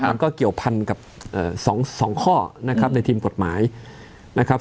มันก็เกี่ยวพันธุ์กับ๒ข้อในทีมกฎหมายนะครับ